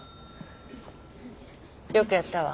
よくやったわ。